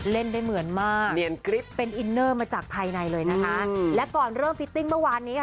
เล่นได้เหมือนมากเนียนกริปเป็นอินเนอร์มาจากภายในเลยนะคะและก่อนเริ่มฟิตติ้งเมื่อวานนี้ค่ะ